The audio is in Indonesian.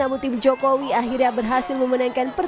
namun tim jokowi akhirnya berhasil memenangkan pertandingan